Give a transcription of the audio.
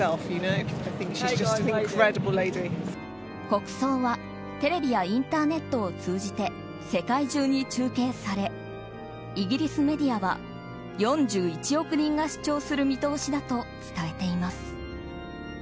国葬はテレビやインターネットを通じて世界中に中継されイギリスメディアは４１億人が視聴する見通しだと伝えています。